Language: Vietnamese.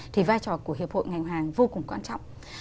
thì vai trò của hiệp hội ngành hàng vô cùng quan trọng